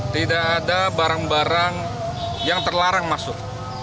tidak ada barang barang yang terlarang masuk